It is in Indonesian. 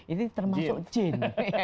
ini termasuk jin